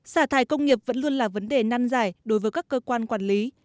xả thải công nghiệp vẫn luôn là vấn đề năn giải đối với các cơ quan quản lý